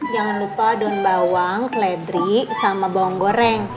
jangan lupa daun bawang seledri sama bawang goreng